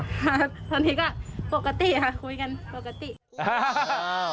ตอนนี้ก็ปกติค่ะคุยกันปกติ